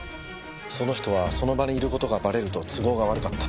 その人はその場にいる事がバレると都合が悪かった。